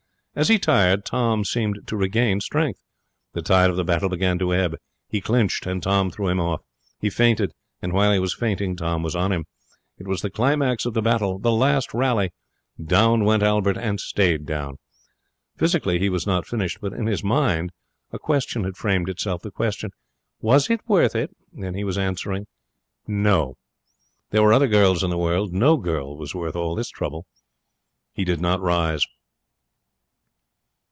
As he tired Tom seemed to regain strength. The tide of the battle began to ebb. He clinched, and Tom threw him off. He feinted, and while he was feinting Tom was on him. It was the climax of the battle the last rally. Down went Albert, and stayed down. Physically, he was not finished; but in his mind a question had framed itself the question. 'Was it worth it?' and he was answering, 'No.' There were other girls in the world. No girl was worth all this trouble. He did not rise.